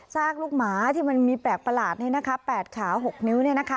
ซากลูกหมาที่มันมีแปลกประหลาด๘ขา๖นิ้ว